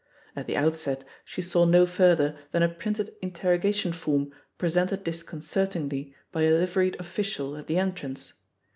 At the outset she saw no further than a printed interrogation form presented disconcertingly by it liveried oflScial at the entrance.